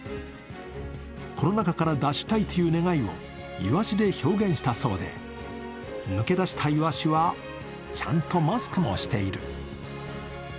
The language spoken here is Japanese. コロナ禍から脱したいという願いを、いわしで表現したそうで、抜け出したイワシは、ちゃんとマスクもしている。